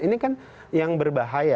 ini kan yang berbahaya